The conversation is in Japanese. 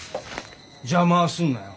邪魔はすんなよ。